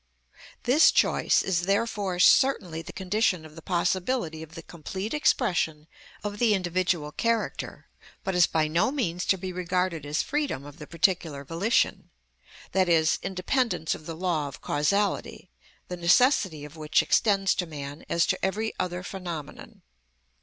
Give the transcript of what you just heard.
This choice is therefore certainly the condition of the possibility of the complete expression of the individual character, but is by no means to be regarded as freedom of the particular volition, i.e., independence of the law of causality, the necessity of which extends to man as to every other phenomenon.